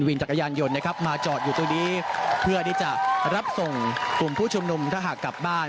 จักรยานยนต์นะครับมาจอดอยู่ตรงนี้เพื่อที่จะรับส่งกลุ่มผู้ชุมนุมถ้าหากกลับบ้าน